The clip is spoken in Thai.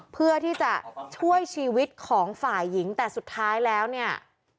เพื่อที่จะช่วยชีวิตของฝ่ายหญิงแต่สุดท้ายแล้วเนี่ย